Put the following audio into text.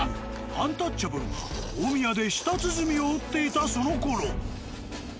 アンタッチャブルが大宮で舌鼓を打っていたそのころ。